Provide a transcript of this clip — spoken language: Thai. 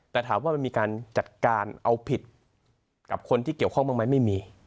แต่ถามว่ามันมีการจัดการเอาผิดกับคนที่เกี่ยวข้องบ้างไหมไม่มี